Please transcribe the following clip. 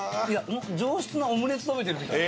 上質なオムレツ食べてるみたい。